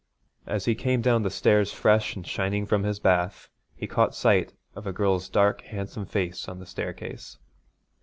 As he came down the stairs fresh and shining from his bath, he caught sight of a girl's dark handsome face on the staircase.